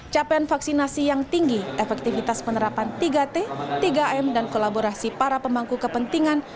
capaian vaksinasi yang tinggi efektivitas penerapan tiga t tiga m dan kolaborasi para pemangku kepentingan